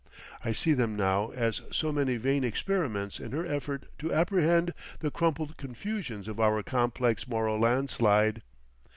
I see them now as so many vain experiments in her effort to apprehend the crumpled confusions of our complex moral landslide.